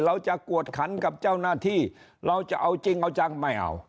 เราจะกวดขันกับเจ้าหน้าที่เราจะเอาจริงเอาจังไม่เอา